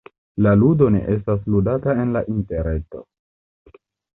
La ludo nun estas ludata en la interreto.